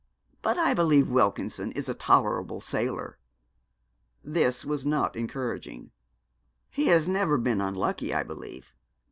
But I believe Wilkinson is a tolerable sailor.' This was not encouraging. 'He has never been unlucky, I believe.'